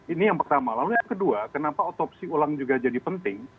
ini yang pertama lalu yang kedua kenapa otopsi ulang juga jadi penting